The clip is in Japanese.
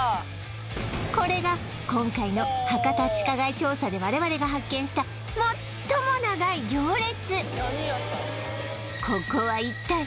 これが今回の博多地下街調査で我々が発見した最も長い行列！